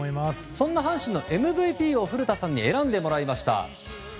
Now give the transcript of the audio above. そんな阪神のＭＶＰを古田さんに選んでもらいました。